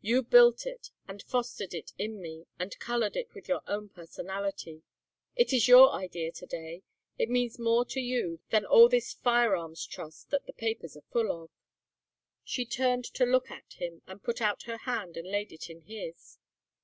You built it and fostered it in me and coloured it with your own personality. It is your idea to day. It means more to you than all this firearms trust that the papers are full of." She turned to look at him, and put out her hand and laid it in his.